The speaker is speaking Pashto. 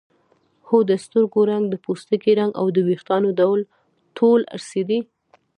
هو د سترګو رنګ د پوستکي رنګ او د وېښتانو ډول ټول ارثي دي